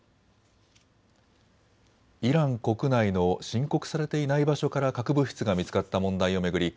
イラン国内の申告されていない場所から核物質が見つかった問題を巡り